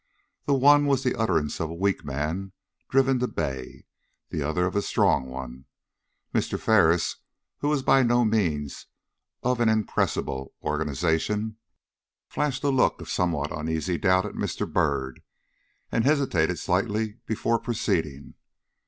The one was the utterance of a weak man driven to bay, the other of a strong one. Mr. Ferris, who was by no means of an impressible organization, flashed a look of somewhat uneasy doubt at Mr. Byrd, and hesitated slightly before proceeding.